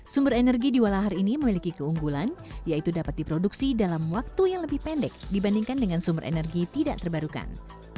sumber energi di walahar ini memiliki keunggulan yaitu dapat diproduksi dalam waktu yang lebih pendek dibandingkan dengan sumber energi tidak terbarukan